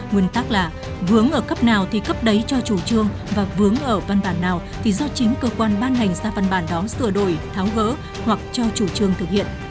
nguyên tắc là vướng ở cấp nào thì cấp đấy cho chủ trương và vướng ở văn bản nào thì do chính cơ quan ban ngành ra văn bản đó sửa đổi tháo gỡ hoặc cho chủ trương thực hiện